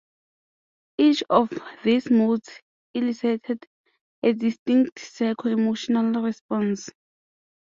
Each of these modes elicited a distinct psycho-emotional response.